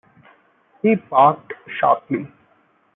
He barked sharply.